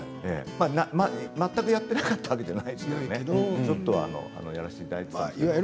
全くやっていなかったわけではないですけどちょっとはやらせてもらっていましたけれど。